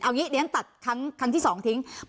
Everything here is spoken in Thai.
เอางี้เดี๋ยวฉันตัดครั้งที่๒ทิ้ง